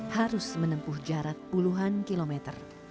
harus menempuh jarak puluhan kilometer